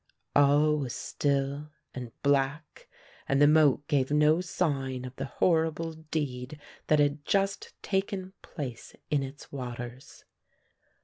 All was still and black and the moat gave no sign of the horrible deed that had just taken place in its waters.